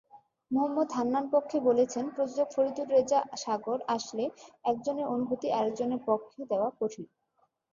মহম্মদ হাননানপক্ষে বলেছেন প্রযোজক ফরিদুর রেজা সাগরআসলে একজনের অনুভূতি আরেকজনের পক্ষে দেওয়া কঠিন।